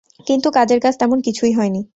কিন্তু কাজের কাজ তেমন কিছুই হয়নি।